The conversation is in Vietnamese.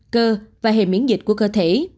cơ và hệ miễn dịch của cơ thể